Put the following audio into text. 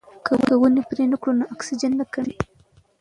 که ونې پرې نه کړو نو اکسیجن نه کمیږي.